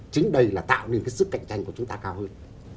chính đây là tạo nên cái sức cạnh tranh của chúng ta cao hơn